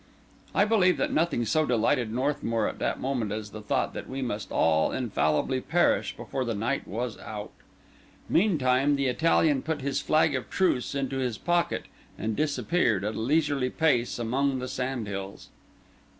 I believe that nothing so delighted Northmour at that moment as the thought that we must all infallibly perish before the night was out. Meantime the Italian put his flag of truce into his pocket, and disappeared, at a leisurely pace, among the sand hills.